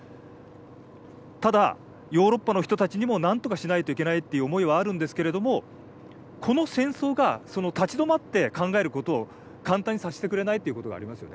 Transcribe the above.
ただ、ヨーロッパの人たちにも何とかしないといけないという思いはあるんですけれどもこの戦争がその立ち止まって考えることを簡単にさせてくれないということがありますよね。